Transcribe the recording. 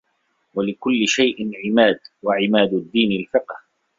وَلِكُلِّ شَيْءٍ عِمَادٌ وَعِمَادُ الدِّينِ الْفِقْهُ